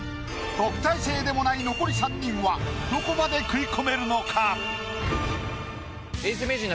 特待生でもない残り３人はどこまで食い込めるのか？